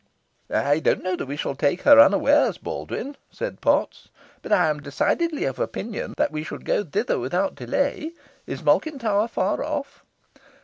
"I don't know that we shall take her unawares, Baldwyn," said Potts; "but I am decidedly of opinion that we should go thither without delay. Is Malkin Tower far off?"